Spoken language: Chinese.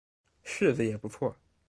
柿子也不错